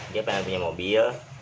dia pengen punya mobil